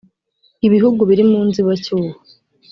Ibihugu biri mu nzibacyuho